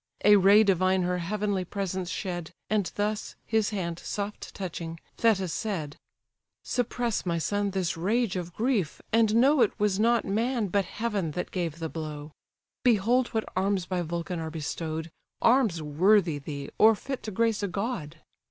A ray divine her heavenly presence shed, And thus, his hand soft touching, Thetis said: "Suppress, my son, this rage of grief, and know It was not man, but heaven, that gave the blow; Behold what arms by Vulcan are bestow'd, Arms worthy thee, or fit to grace a god."